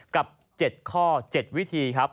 กับ๗ข้อ๗วิธีครับ